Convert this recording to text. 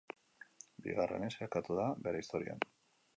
Bigarrenez sailkatu da bere historian.